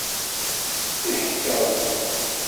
Iḥekker deg-s.